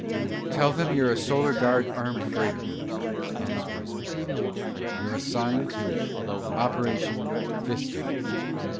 "Tell them you're a Solar Guard armed freighter." Tom's voice was low. "You're assigned to operation 'Vista.'"